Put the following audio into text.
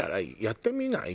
やってみない？